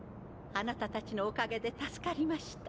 貴方たちのおかげで助かりました。